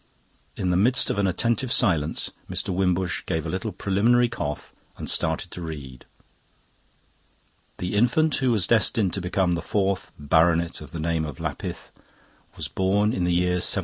In the midst of an attentive silence Mr. Wimbush gave a little preliminary cough and started to read. "The infant who was destined to become the fourth baronet of the name of Lapith was born in the year 1740.